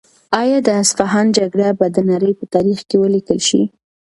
آیا د اصفهان جګړه به د نړۍ په تاریخ کې ولیکل شي؟